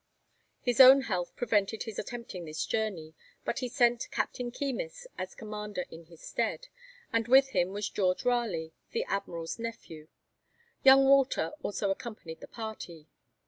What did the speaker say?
His own health prevented his attempting this journey, but he sent Captain Keymis as commander in his stead, and with him was George Raleigh, the Admiral's nephew; young Walter also accompanied the party.